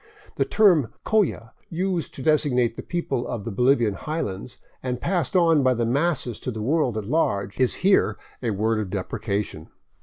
The term " CoUa," used to designate the people of the Bolivian highlands, and passed on by the masses to the world at large, is here a word of deprecation.